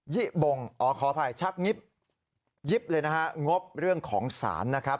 ิบงอ๋อขออภัยชักงิบยิบเลยนะฮะงบเรื่องของสารนะครับ